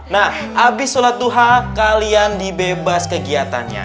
nah abis sholat duha kalian dibebas kegiatannya ya